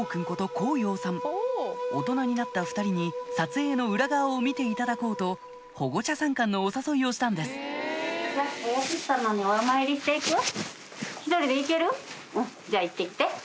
こと宏陽さん大人になった２人に撮影の裏側を見ていただこうと保護者参観のお誘いをしたんですじゃ行って来て。